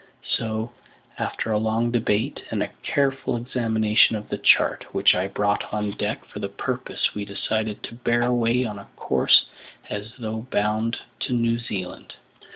So, after a long debate and a careful examination of the chart, which I brought on deck for the purpose, we decided to bear away on a course as though bound to New Zealand.